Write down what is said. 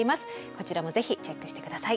こちらもぜひチェックして下さい。